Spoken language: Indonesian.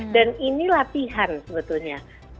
dan ini latihan sebetulnya